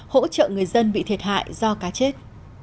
hỗ trợ người dân bị thiệt hại do cá chết